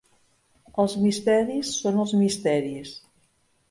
Els misteris són els misteris.